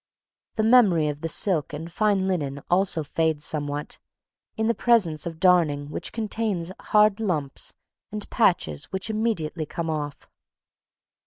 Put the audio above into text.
The memory of the silk and fine linen also fades somewhat, in the presence of darning which contains hard lumps and patches which immediately come off.